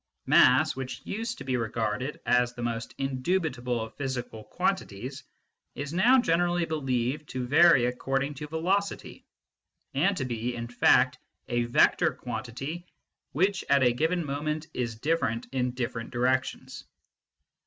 Mass, which used to be regarded as the most indubitable of physical quantities, is now generally believed to vary according to velocity, and to be, in fact, a vector quantity which at a given moment is different in different directions.